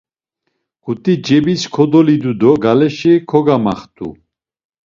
K̆ut̆i cebis kodolidu do galeşi kogamaxt̆u.